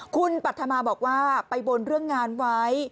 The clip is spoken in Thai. คุณปัธมาบอกว่าไปบนเรื่องงานไว้